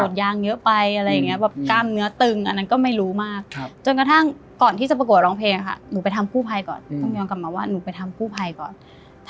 แต่มันไม่เห็นอะไรหนูไม่เห็นอะไรหนูเห็นแต่แบบเป็นเม็ด